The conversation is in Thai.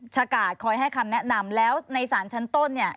กาดคอยให้คำแนะนำแล้วในสารชั้นต้นเนี่ย